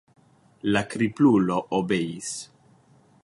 La kriplulo obeis.